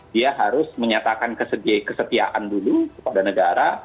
dia harus menyatakan kesetiaan dulu kepada negara